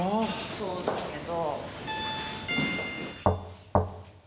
そうだけど。